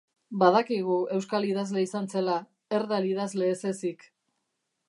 Badakigu euskal idazle izan zela, erdal idazle ez ezik.